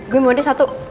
gue mau ada satu